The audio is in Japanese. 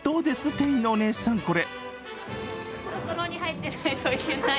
店員のお姉さん、これ。